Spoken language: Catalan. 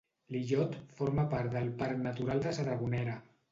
L'illot forma part del Parc Natural de sa Dragonera.